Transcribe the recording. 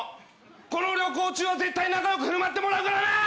この旅行中は絶対仲良く振る舞ってもらうからな！